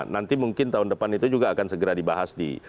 nanti mungkin tahun depan itu juga akan segera dibahas di